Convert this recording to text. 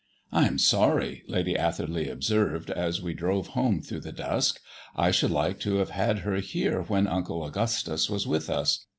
"I am sorry," Lady Atherley observed, as we drove home through the dusk; "I should like to have had her here when Uncle Augustus was with us.